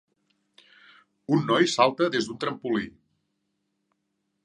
Un noi salta des d'un trampolí.